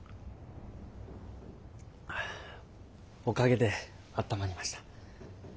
おかげで温まりました。